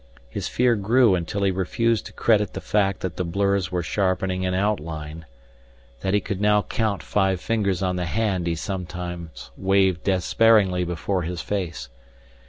His fear grew until he refused to credit the fact that the blurs were sharpening in outline, that he could now count five fingers on the hand he sometimes waved despairingly before his face.